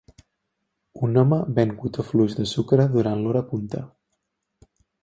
Un home ven cotó fluix de sucre durant l'hora punta.